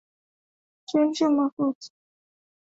Chemsha mafuta kwenye kikaango